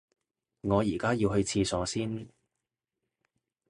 我而家要去廁所先